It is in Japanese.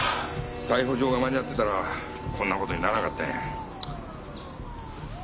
逮捕状が間に合ってたらこんなことにならなかったんや。